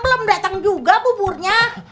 belum datang juga buburnya